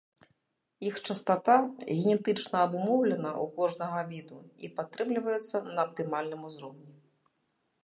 Іх частата генетычна абумоўлена ў кожнага віду і падтрымліваецца на аптымальным узроўні.